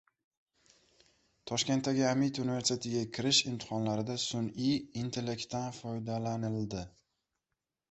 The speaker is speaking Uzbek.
Toshkentdagi Amiti universitetiga kirish imtihonlarida sun’iy intellektdan foydalanildi